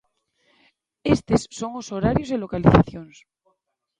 Estes son os horarios e localizacións.